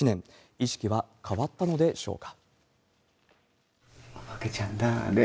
意識は変わったのでしょうか。